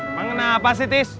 mengena apa sih tis